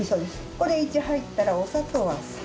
これ１入ったらお砂糖は３。